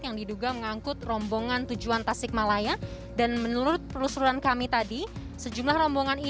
sebelum berangkat mereka berkumpul di rest area km sembilan belas tol jakarta cikampek sejak siang hari